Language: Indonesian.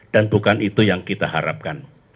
dan bukan itu yang kita harapkan